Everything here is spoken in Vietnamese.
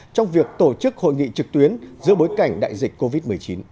trong việc tổ chức hội nghị trực tuyến giữa bối cảnh đại dịch covid một mươi chín